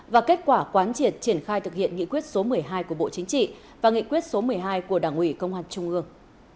và kết quả quán triệt triển khai thực hiện nghị quyết số một mươi hai của bộ chính trị và nghị quyết số một mươi hai của đảng ủy công an trung ương